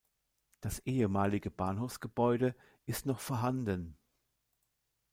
Das ehemalige Bahnhofsgebäude ist noch vorhanden.